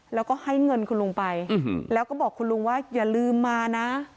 แล้วก็ให้เงินคุณลุงไปแล้วก็บอกคุณลุงว่าอย่าลืมมานะ